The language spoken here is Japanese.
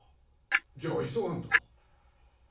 じゃあ急がんと。